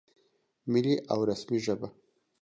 ملي او رسمي ژبه